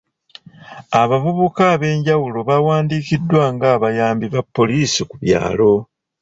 Abavubuka ab'enjawulo bawandiikiddwa nga abayambi ba poliisi ku byalo.